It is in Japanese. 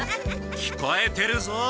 聞こえてるぞ。